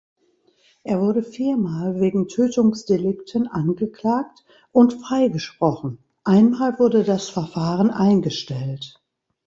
Er wurde viermal wegen Tötungsdelikten angeklagt und freigesprochen, einmal wurde das Verfahren eingestellt.